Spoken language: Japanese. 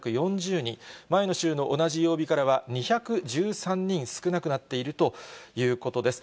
前の週の同じ曜日からは２１３人少なくなっているということです。